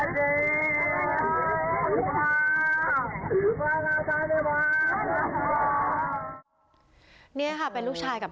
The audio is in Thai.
ใครที่เห็นภาพนี้แล้วก็ได้ยินเสียงของลูกชายนี่นะคะ